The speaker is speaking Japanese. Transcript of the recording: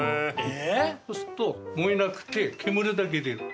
そうすると燃えなくて煙だけ出る。